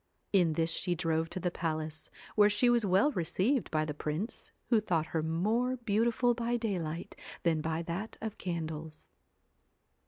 In this she drove to the palace, where she was well received by the prince, who thought her more beautiful by daylight than by that of candles.